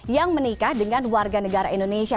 yang menikah dengan warganegara indonesia